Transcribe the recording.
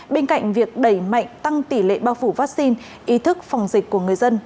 bên cạnh việc đẩy mạnh tăng tỷ lệ bao phủ vắc xin ý thức phòng dịch của người dân